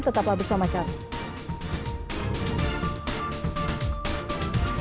tetaplah bersama kami